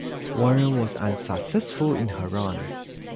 Warren was unsuccessful in her run.